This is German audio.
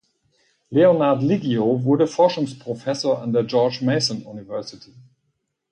Leonard Liggio wurde Forschungsprofessor an der George Mason University.